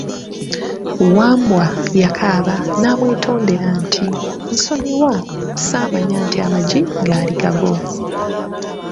Wambwa yakaaba n'amwetondera nti, nsonyiwa, saamanya nti amaggi gaali gago!